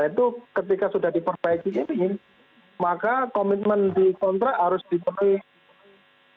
nah itu ketika sudah diperbaiki ini maka komitmen di kontrak harus dipenuhi oleh perumah sakit